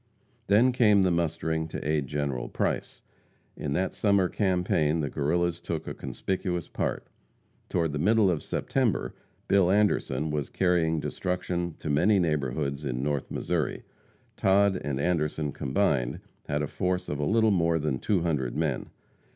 Then came the mustering to aid General Price. In that summer campaign the Guerrillas took a conspicuous part. Toward the middle of September, Bill Anderson was carrying destruction to many neighborhoods in North Missouri. Todd and Anderson combined, had a force of a little more than two hundred men.